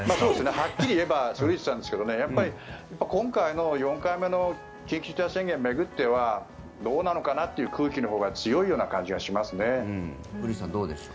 はっきりいうと古市さんですがやっぱり今回の４回目の緊急事態宣言を巡ってはどうなのかなという空気のほうが古市さんどうでしょう。